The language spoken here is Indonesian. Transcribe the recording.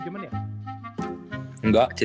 semain durian jalan main